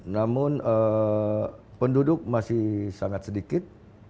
namun penduduk masih sangat sedikit